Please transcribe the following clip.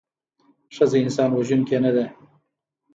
ښځه انسان وژوونکې نده